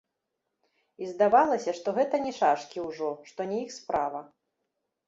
І здавалася, што гэта не шашкі ўжо, што не іх справа.